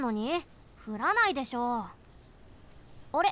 あれ？